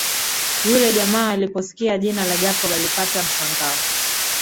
Yule jamaa aliposikia jina la Jacob alipata mshangao